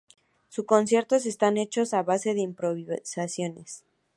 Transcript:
Sus conciertos estaban hechos a base de improvisaciones.